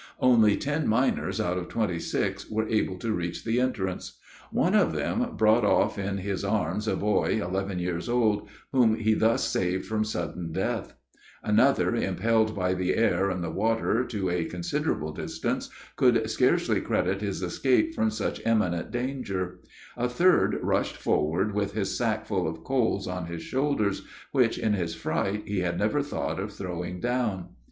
Only ten miners out of twenty six were able to reach the entrance. One of them brought off in his arms, a boy eleven years old, whom he thus saved from sudden death; another impelled by the air and the water, to a considerable distance, could scarcely credit his escape from such imminent danger; a third rushed forward with his sack full of coals on his shoulders, which, in his fright, he had never thought of throwing down.